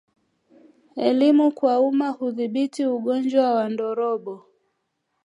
Elimu kwa umma hudhibiti ungojwa wa ndorobo